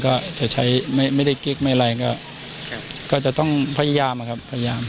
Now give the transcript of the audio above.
ก็จะใช้ไม่ได้เกร็กไม่แรงก็จะต้องพยายามครับ